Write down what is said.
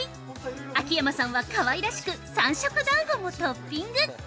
秋山さんはかわいいらしく３色だんごもトッピング。